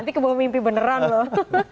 nanti kebawa mimpi beneran loh